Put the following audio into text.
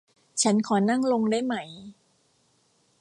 ฉันขอนั่งลงได้ไหม